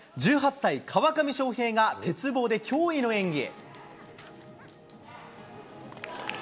１８歳、川上翔平が鉄棒で驚異の演技。